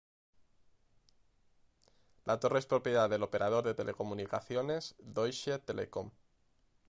La torre es propiedad del operador de telecomunicaciones Deutsche Telekom.